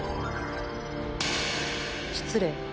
失礼。